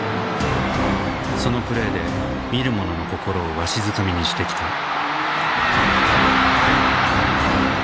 そのプレーで見る者の心をわしづかみにしてきた。